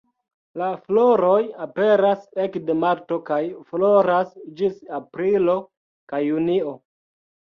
La floroj aperas ekde marto kaj floras ĝis aprilo kaj junio.